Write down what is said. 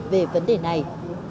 về vấn đề này